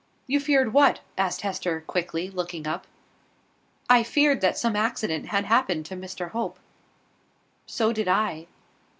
"You feared what?" asked Hester, quickly, looking up. "I feared that some accident had happened to Mr Hope." "So did I."